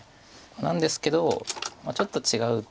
なんですけどちょっと違う。